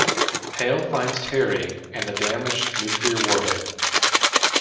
Hale finds Terry and the damaged nuclear warhead.